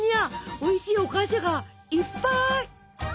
おいしいお菓子がいっぱい！